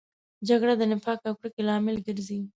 جګړه د نفاق او کرکې لامل ګرځي